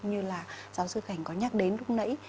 như là giáo sư khánh có nhắc đến lúc nãy